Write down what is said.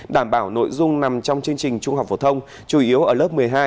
đảm bảo nội dung nằm trong chương trình trung học phổ thông chủ yếu ở lớp một mươi hai